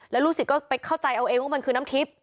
แล้วลูกศิษย์ก็ไปเข้าใจเอาเองว่ามันคือน้ำทิพย์